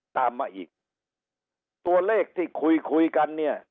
ตามมาอีกตัวเลขที่คุยคุยกันเนี่ย